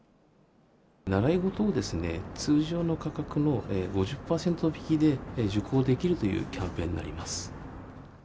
習い事を通常の価格の５０％引きで受講できるというキャンペーンになります。